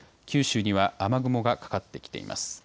九州には雨雲がかかってきています。